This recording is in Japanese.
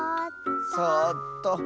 ⁉そっと。